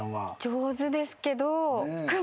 上手ですけど。